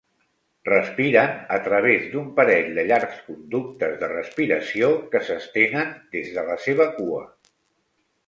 Respiren a través d'un parell de llargs conductes de respiració que s'estenen des de les seva cua.